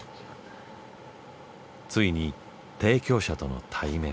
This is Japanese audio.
ついに提供者との対面。